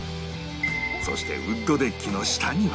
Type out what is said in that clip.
そしてウッドデッキの下には